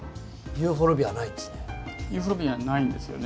ユーフォルビアはないんですよね。